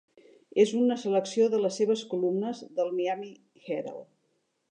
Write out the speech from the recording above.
És una selecció de les seves columnes del "Miami Herald".